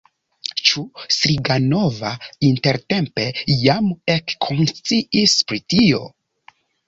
Ĉu Striganova intertempe jam ekkonsciis pri tio?